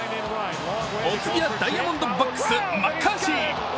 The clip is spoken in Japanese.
お次はダイヤモンドバックスマッカーシー。